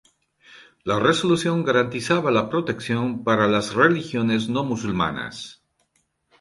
La resolución garantizaba la protección para las religiones no musulmanas.